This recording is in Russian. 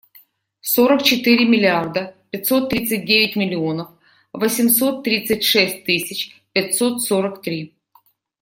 Сорок четыре миллиарда пятьсот тридцать девять миллионов восемьсот тридцать шесть тысяч пятьсот сорок три.